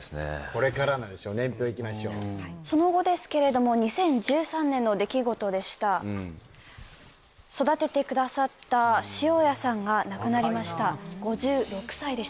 これからなんでしょう年表いきましょうその後ですけれども２０１３年の出来事でした育ててくださった塩屋さんが亡くなりました５６歳でした